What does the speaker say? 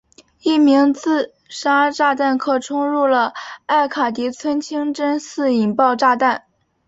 一名自杀炸弹客冲入了艾卡迪村清真寺引爆炸弹。